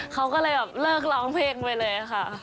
เขาก็เลยแบบเลิกร้องเพลงไปเลยค่ะ